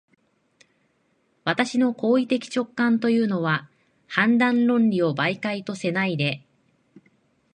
私の行為的直観というのは、判断論理を媒介とせないで、